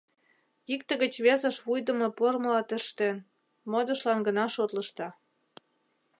Икте гыч весыш вуйдымо пормыла тӧрштен, модышлан гына шотлышда.